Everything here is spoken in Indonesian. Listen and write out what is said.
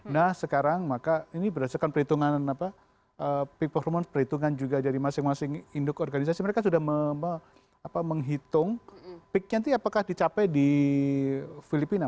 nah sekarang maka ini berdasarkan perhitungan peak performance perhitungan juga dari masing masing induk organisasi mereka sudah menghitung peaknya itu apakah dicapai di filipina